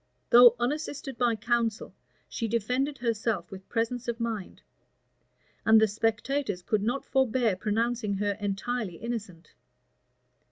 Though unassisted by counsel, she defended herself with presence of mind; and the spectators could not forbear pronouncing her entirely innocent.